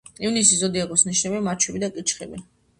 ივნისის ზოდიაქოს ნიშნებია მარჩბივი და კირჩხიბი.